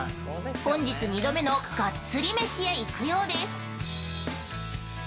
本日２度目のガッツリ飯へ行くようです。